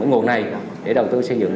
cái nguồn này để đầu tư sử dụng